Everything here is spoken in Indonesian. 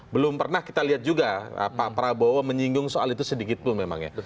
belum pernah kita lihat juga pak prabowo menyinggung soal itu sedikit pun memang ya